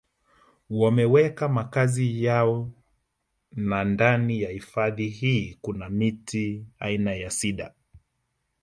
Wameweka makazi yao na ndani ya hifadhi hii kuna miti aina ya Cidar